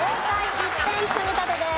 １点積み立てです。